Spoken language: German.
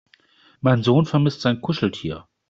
Mein Sohn vermisst sein Kuscheltier.